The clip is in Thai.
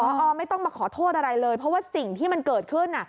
พอไม่ต้องมาขอโทษอะไรเลยเพราะว่าสิ่งที่มันเกิดขึ้น